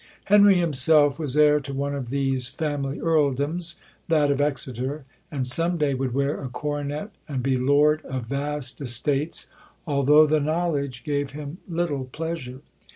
Henry himself was heir to one of these family Earldoms that of Exeter and some day would wear a coronet and be lord of vast estates, although the knowledge gave him little pleasure.